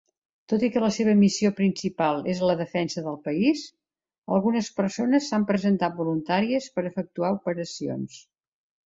Tot i que la seva missió principal és la "defensa del país", algunes persones s'han presentat voluntàries per efectuar operacions.